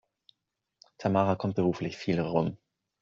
Tamara kommt beruflich viel herum.